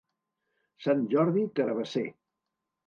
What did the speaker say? Sant Jordi, carabasser.